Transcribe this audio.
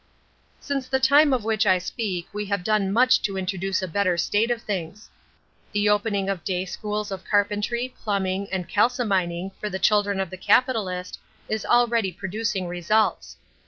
"Since the time of which I speak we have done much to introduce a better state of things. The opening of day schools of carpentry, plumbing and calcimining for the children of the capitalist is already producing results.